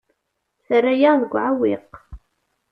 Terra-yaɣ deg uɛewwiq.